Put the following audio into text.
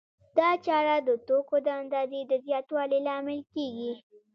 دا چاره د توکو د اندازې د زیاتوالي لامل کېږي